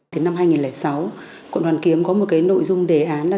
tới năm hai nghìn sáu quận hoàn kiếm có một cái nội dung đề án là